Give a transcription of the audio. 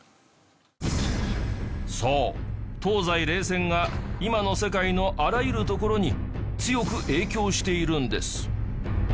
そう東西冷戦が今の世界のあらゆるところに強く影響しているんです